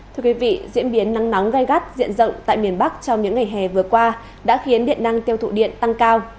thưa quý vị diễn biến nắng nóng gai gắt diện rộng tại miền bắc trong những ngày hè vừa qua đã khiến điện năng tiêu thụ điện tăng cao